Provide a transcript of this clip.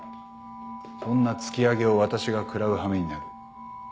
そんな突き上げを私が食らうはめになる。